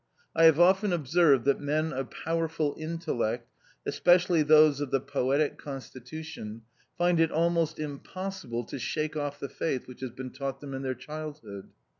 I have often observed that men of powerful intellect, especially those of the poetic constitution, find it almost impossible to shake off the faith which has been taught them in their childhood.